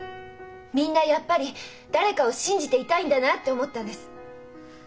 みんなやっぱり誰かを信じていたいんだなって思ったんです。